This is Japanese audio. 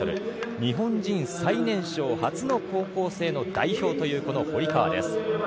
日本人最年少初の高校生の代表というこの堀川です。